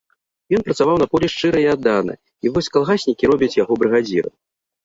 Ён працаваў на полі шчыра і аддана, і вось калгаснікі робяць яго брыгадзірам.